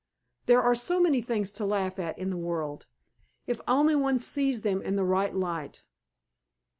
There are so many things to laugh at in the world, if only one sees them in the right light.